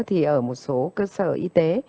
thì ở một số cơ sở y tế